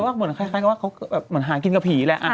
ก็เหมือนคล้ายกับว่าเขาเหมือนหากินกับผีแหละ